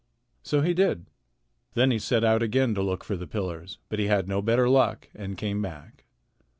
So he did. Then he set out again to look for the pillars, but he had no better luck and came back.